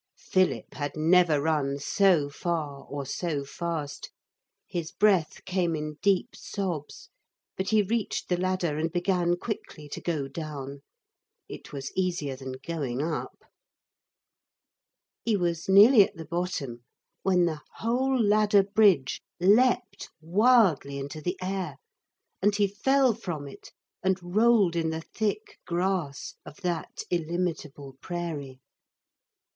Philip had never run so far or so fast. His breath came in deep sobs; but he reached the ladder and began quickly to go down. It was easier than going up. [Illustration: And behind him the clatter of hot pursuit.] He was nearly at the bottom when the whole ladder bridge leapt wildly into the air, and he fell from it and rolled in the thick grass of that illimitable prairie.